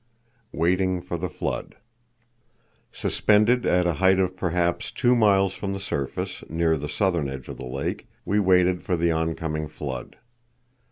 Waiting for the Flood. Suspended at a height of perhaps two miles from the surface, near the southern edge of the lake, we waited for the oncoming flood.